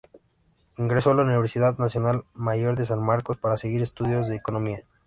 Ingresó a la Universidad Nacional Mayor de San Marcos para seguir estudios de Economía.